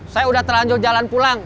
saya udah terlanjur jalan pulang